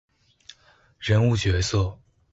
人物角色